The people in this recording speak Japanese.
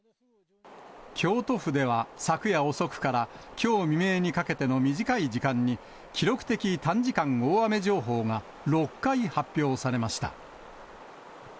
京都府では昨夜遅くからきょう未明にかけての短い時間に、記録的短時間大雨情報が６回発表されました。